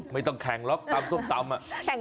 ไม่ต้องแข่งหรอกตำส้มตำ